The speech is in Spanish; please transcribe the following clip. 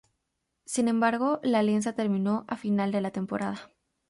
Sin embargo, la alianza terminó a final de la temporada.